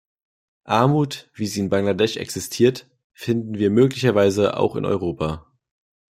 Armut, wie sie in Bangladesch existiert, finden wir möglicherweise auch in Europa.